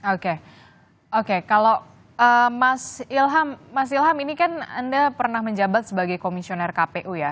oke oke kalau mas ilham mas ilham ini kan anda pernah menjabat sebagai komisioner kpu ya